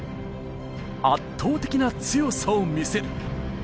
圧倒的な強さを見せる。